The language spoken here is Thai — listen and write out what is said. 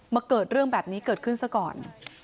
เมื่อเกิดเรื่องแบบนี้เกิดขึ้นสักก่อน